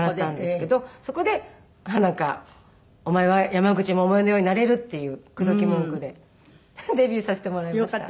そこでなんか「お前は山口百恵のようになれる」っていう口説き文句でデビューさせてもらいました。